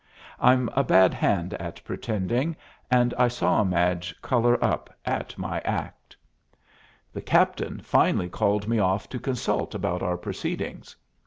I'm a bad hand at pretending, and I saw Madge color up at my act. The captain finally called me off to consult about our proceedings.